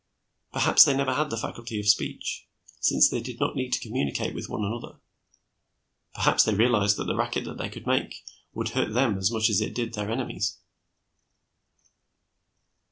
Perhaps they had never had the faculty of speech, since they did not need it to communicate with one another; perhaps they realized that the racket they could make would hurt them as much as it did their enemies.